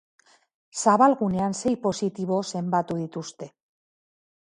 Zabalgunean sei positibo zenbatu dituzte.